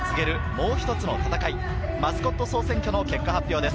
もう一つの戦い、マスコット総選挙の結果発表です。